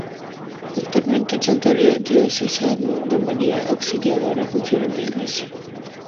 Actualmente, el Santuario Diocesano de María Auxiliadora funciona en la iglesia.